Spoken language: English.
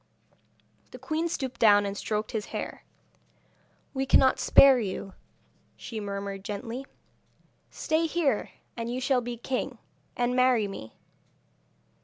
The queen stooped down and stroked his hair. 'We cannot spare you,' she murmured gently. 'Stay here, and you shall be king, and marry me.'